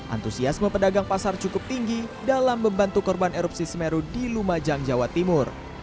antusiasme pedagang pasar cukup tinggi dalam membantu korban erupsi semeru di lumajang jawa timur